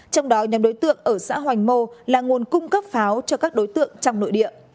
trong đó nhóm đối tượng ở xã hoành mô là nguồn cung cấp pháo cho các đối tượng trong nội địa